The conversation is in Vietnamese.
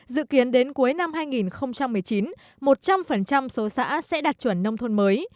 dự kiến đến cuối năm hai nghìn một mươi chín một trăm linh số xã sẽ đạt chuẩn nông thôn mới